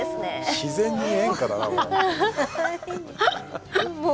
自然に演歌だな、もう。